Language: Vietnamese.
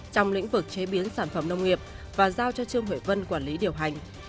trong lĩnh vực chế biến sản phẩm nông nghiệp và giao cho trương huệ vân quản lý điều hành